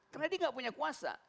karena dia enggak punya kuasa